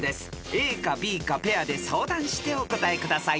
ＡかＢかペアで相談してお答えください］